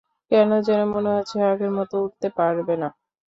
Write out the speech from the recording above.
কেন যেন মনে হচ্ছে আগের মতো উড়তে পারবে না?